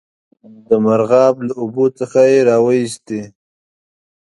د مرغاب له اوبو څخه یې را وایستی.